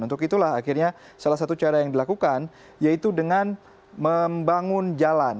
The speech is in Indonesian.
untuk itulah akhirnya salah satu cara yang dilakukan yaitu dengan membangun jalan